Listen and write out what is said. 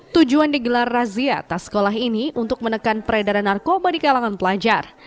tujuan digelar razia tas sekolah ini untuk menekan peredaran narkoba di kalangan pelajar